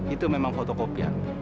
itu memang fotokopian